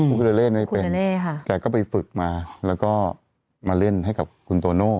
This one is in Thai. พูดเลยเล่นไม่เป็นคุณแนน่ค่ะแกก็ไปฝึกมาแล้วก็มาเล่นให้กับคุณโตโน่